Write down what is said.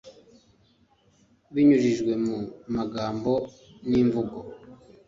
binyujijwe mu magambo n’imvugo